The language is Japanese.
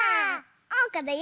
おうかだよ！